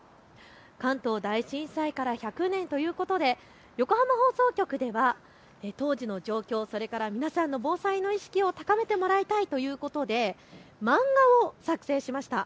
関東大震災から１００年ということで横浜放送局では当時の状況、それから皆さんの防災の意識を高めてもらいたいということで漫画を作成しました。